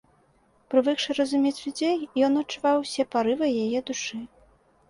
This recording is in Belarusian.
Прывыкшы разумець людзей, ён адчуваў усе парывы яе душы.